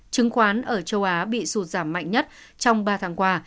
chứng khoán ở châu á bị sụt giảm mạnh nhất trong ba tháng qua